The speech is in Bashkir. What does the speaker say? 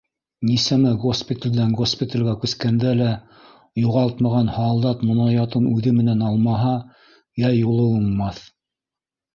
Нисәмә госпиталдән госпиталгә күскәндә лә юғалтмаған һалдат монаятын үҙе менән алмаһа, йә юлы уңмаҫ.